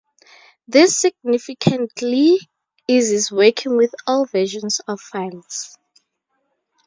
This significantly eases working with old versions of files.